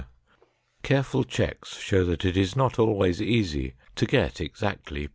Careful checks show that it is not always easy to get exactly .